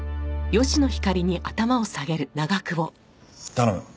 頼む。